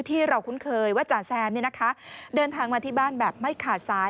ที่เราคุ้นเคยว่าจ่าแซมเดินทางมาที่บ้านแบบไม่ขาดสาย